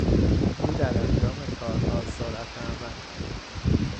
او در انجام کارها سرعت عمل دارد.